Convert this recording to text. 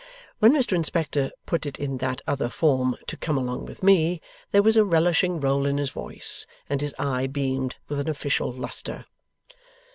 When Mr Inspector put it in that other form, 'to come along with me,' there was a relishing roll in his voice, and his eye beamed with an official lustre.